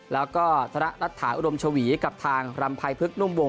แล้วก็ธนรัฐฐาอุดมชวีกับทางรำภัยพึกนุ่มวง